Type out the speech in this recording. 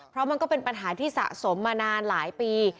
เพราะมันก็เป็นปัญหาที่สะสมมานานหลายปี